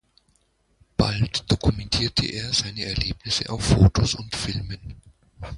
Bald dokumentierte er seine Erlebnisse auf Fotos und Filmen.